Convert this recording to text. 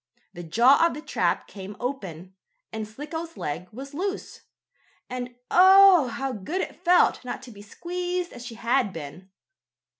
The jaws of the trap came open, and Slicko's leg was loose. And oh! how good it felt not to be squeezed as she had been.